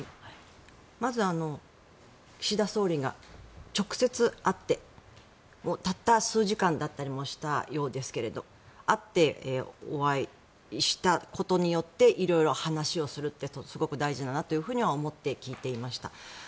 まず岸田総理が直接会ってたった数時間だったりもしたようですがお会いしたことによって色々話をすることがすごく大事だなと思って聞いていました。